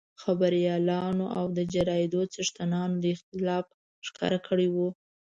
خبریالانو او د جرایدو څښتنانو اختلاف ښکاره کړی وو.